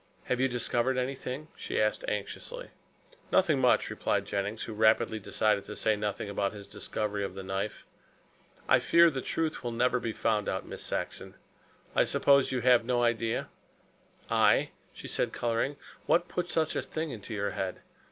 "Have you discovered anything?" she asked anxiously. "Nothing much," replied Jennings, who rapidly decided to say nothing about his discovery of the knife. "I fear the truth will never be found out, Miss Saxon. I suppose you have no idea?" "I," she said, coloring, "what put such a thing into your head?